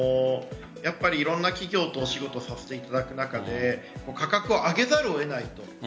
いろんな企業とお仕事させていただく中で価格を上げざるを得ないと。